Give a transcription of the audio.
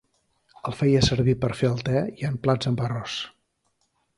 El feia servir per a fer el te i en els plats amb arròs.